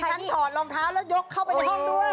ถอดรองเท้าแล้วยกเข้าไปในห้องด้วย